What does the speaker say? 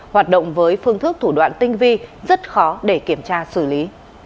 hoạt động với phương thức thủ đoạn tinh vi rất khó để kiểm tra xử lý